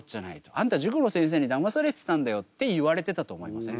あんた塾の先生にだまされてたんだよって言われてたと思いません？